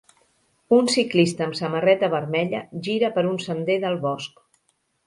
Un ciclista amb samarreta vermella gira per un sender del bosc.